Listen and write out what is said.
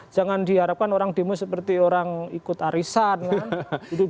jangan diharapkan orang demo seperti orang ikut arisan kan